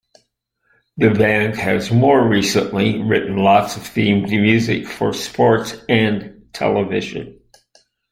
The band has more recently written lots of themed music for sports and television.